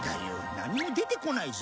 何も出てこないぞ。